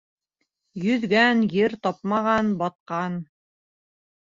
Йөҙгән, ер тапмаған, батҡан.